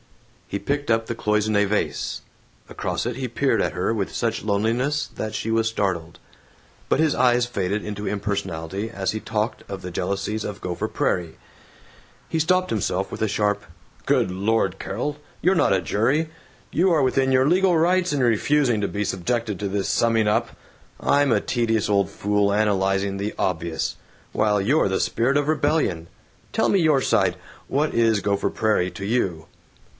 He picked up the cloisonne vase. Across it he peered at her with such loneliness that she was startled. But his eyes faded into impersonality as he talked of the jealousies of Gopher Prairie. He stopped himself with a sharp, "Good Lord, Carol, you're not a jury. You are within your legal rights in refusing to be subjected to this summing up. I'm a tedious old fool analyzing the obvious, while you're the spirit of rebellion. Tell me your side. What is Gopher Prairie to you?"